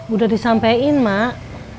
udah disampein mak